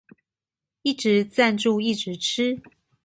一直贊助一直吃